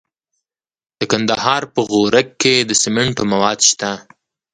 د کندهار په غورک کې د سمنټو مواد شته.